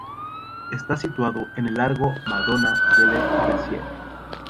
Está situado en el largo Madonna delle Grazie.